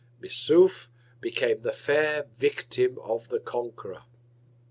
Missouf became the fair Victim of the Conqueror.